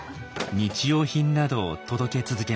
日用品などを届け続けました。